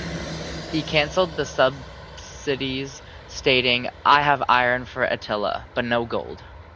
He cancelled the subsidies, stating, 'I have iron for Attila, but no gold'.